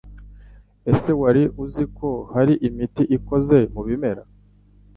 Ese wari uzi ko hari imiti ikoze mu bimera